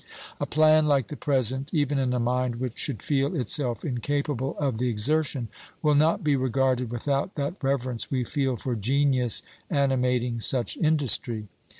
A plan like the present, even in a mind which should feel itself incapable of the exertion, will not be regarded without that reverence we feel for genius animating such industry.